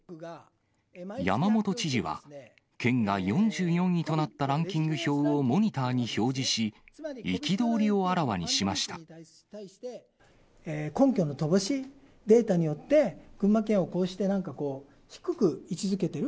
山本知事は、県が４４位となったランキング表をモニターに表示し、憤りをあら根拠の乏しいデータによって、群馬県をこうしてなんかこう、低く位置づけている。